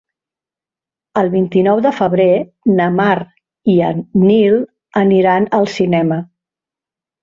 El vint-i-nou de febrer na Mar i en Nil aniran al cinema.